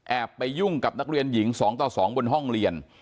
ไปยุ่งกับนักเรียนหญิง๒ต่อ๒บนห้องเรียน